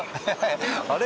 あれ？